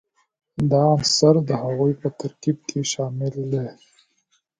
دا عنصر د هغوي په ترکیب کې شامل دي.